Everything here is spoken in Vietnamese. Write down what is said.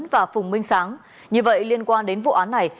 và phùng minh sáng như vậy liên quan đến vụ án này